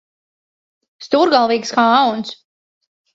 Stūrgalvīgs kā auns.